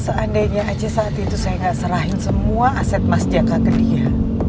seandainya aja saat itu saya gak serahin semua aset mas jaka ke dia